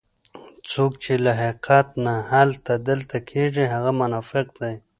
څوک چې له حقیقت نه هلته دلته کېږي هغه منافق دی.